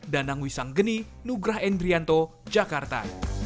danang wisang geni nugrah endrianto jakarta